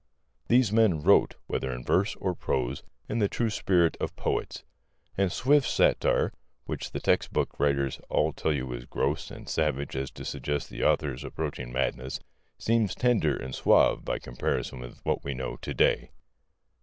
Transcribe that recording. These men wrote, whether in verse or prose, in the true spirit of poets; and Swift's satire, which the text book writers all tell you is so gross and savage as to suggest the author's approaching madness, seems tender and suave by comparison with what we know to day.